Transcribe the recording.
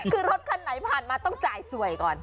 คือรถคันไหนผ่านมาต้องจ่ายสวยก่อน